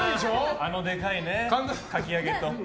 あのでかいかき揚げとね。